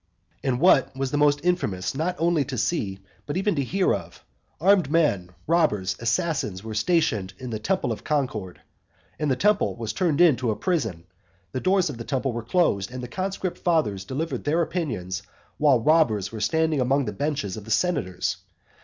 VII. And what was most infamous not only to see, but even to hear of, armed men, robbers, assassins were stationed in the temple of Concord; the temple was turned into a prison; the doors of the temple were closed, and the conscript fathers delivered their opinions while robbers were standing among the benches of the senators.